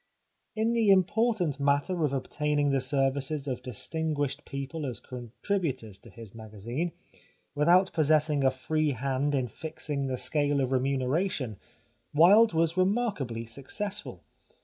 In the important matter of obtaining the services of distinguished people as contributors to his magazine, without possessing a free hand in fixing the scale of remuneration, Wilde was remarkably successful.